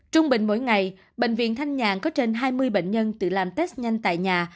trung bình mỗi ngày bệnh viện thanh nhàn có trên hai mươi bệnh nhân tự làm test nhanh tại nhà